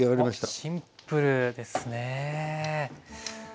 おっシンプルですね。